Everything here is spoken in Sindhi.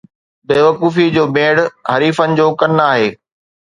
بيوقوفيءَ جو ميڙ“ حریفن جو ڪن آهي